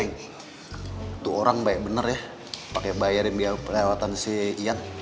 itu orang baik bener ya pakai bayarin biaya pelewatan si iyan